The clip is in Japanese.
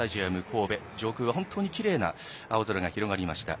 神戸上空は本当にきれいな青空が広がりました。